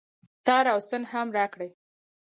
تار او ستن هم راکړئ